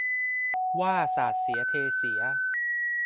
ว่าสาดเสียเทเสีย